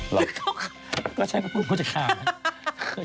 หรือเขาก็ใช่เพราะว่าพวกเขาจะข้าวนะ